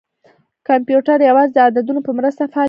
کمپیوټر یوازې د عددونو په مرسته فعالیت کوي.